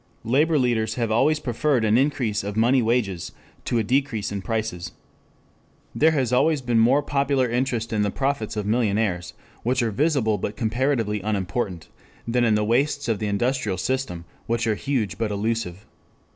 Labor leaders have always preferred an increase of money wages to a decrease in prices. There has always been more popular interest in the profits of millionaires, which are visible but comparatively unimportant, than in the wastes of the industrial system, which are huge but elusive.